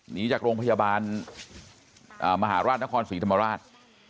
หนีจากโรงพยาบาลมหาราชนครศรีธรรมราช